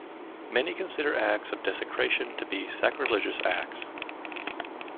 Many consider acts of desecration to be sacrilegious acts.